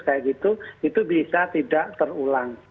kayak gitu itu bisa tidak terulang